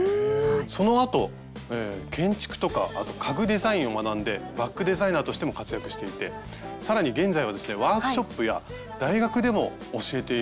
そのあと建築とか家具デザインを学んでバッグデザイナーとしても活躍していて更に現在はですねワークショップや大学でも教えているんですよね。